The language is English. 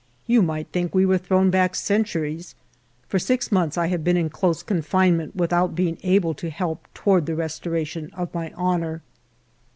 You might think we were thrown back centuries. For six months I have been in close confinement without being able to help toward the restoration of my honor.